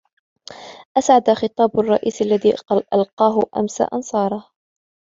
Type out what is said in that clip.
أسعد خطابُ الرئيس الذي ألقاه أمس أنصاره.